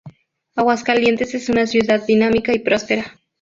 Aguascalientes es una ciudad dinámica y próspera.